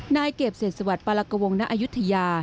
นายเก็บเศษศวรรษปลากวงนาอยุธยา